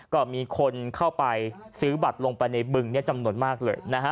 ก็มีคนเข้าไปซื้อบัตรลงไปในบึงจำนวนมากเลยนะฮะ